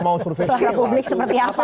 publik seperti apa